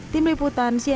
tim liputan cnn indonesia